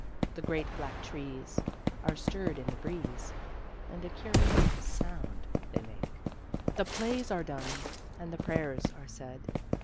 The g;re at black Trees % Are stirred in \}[\^Breeze , And a curious Jbt/n^they make. The Plays are done ,^ And the /V^erj are said.